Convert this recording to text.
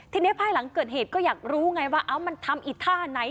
ทีนี้ภายหลังเกิดเหตุก็อยากรู้ไงว่ามันทำอีกท่าไหน